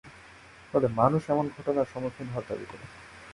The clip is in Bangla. ফলে মানুষ এমন ঘটনার সম্মুখীন হওয়ার দাবি করে।